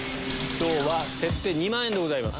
今日は設定２万円でございます。